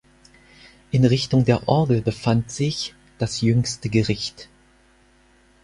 In Richtung der Orgel befand sich "Das Jüngste Gericht".